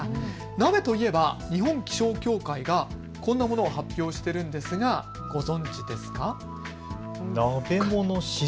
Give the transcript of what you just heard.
鍋といえば日本気象協会がこんなものを発表しているんですがご存じですか。